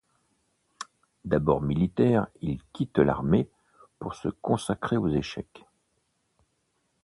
D'abord militaire, il quitte l'armée pour se consacrer aux échecs.